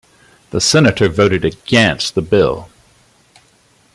The senator voted against the bill.